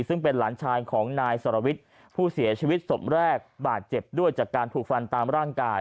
ซึ่งเป็นหลานชายของนายสรวิทย์ผู้เสียชีวิตศพแรกบาดเจ็บด้วยจากการถูกฟันตามร่างกาย